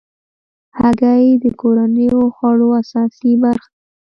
هګۍ د کورنیو خوړو اساسي برخه ده.